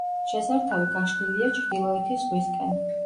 შესართავი გაშლილია ჩრდილოეთის ზღვისკენ.